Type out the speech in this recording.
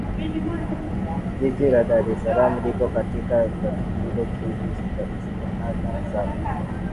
Jiji la Dar es Salaam lipo kati ya Latitudo nyuzi sitahadi saba